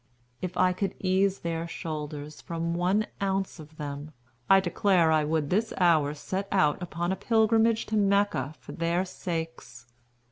If I could ease their shoulders from one ounce of them, I declare I would this hour set out upon a pilgrimage to Mecca for their sakes.